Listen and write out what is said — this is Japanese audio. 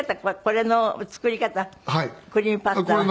これの作り方クリームパスタは。